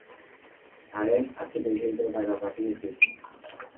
আরে আছে দেখেই তো, টাকা পাঠিয়েছি।